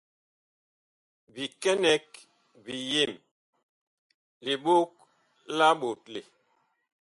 Bikɛnɛg biyem, liɓog la ɓotle.